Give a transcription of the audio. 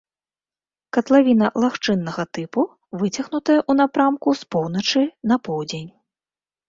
Катлавіна лагчыннага тыпу, выцягнутая ў напрамку з поўначы на поўдзень.